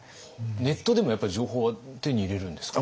ネットでもやっぱり情報は手に入れるんですか？